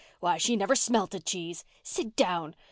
Why, she never smelt a cheese. Sit down.